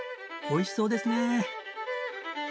おいしそうですね。